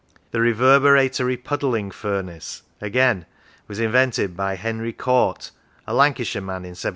The reverberatory puddling furnace, again, was invented by Henry Cort, a Lancashire man, in 1784.